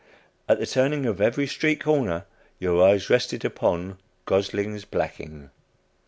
At the turning of every street corner your eyes rested upon "Gosling's Blacking."